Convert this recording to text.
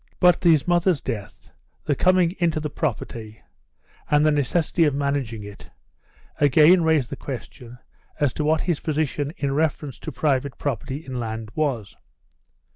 But his mother's death, the coming into the property, and the necessity of managing it, again raised the question as to what his position in reference to private property in land was.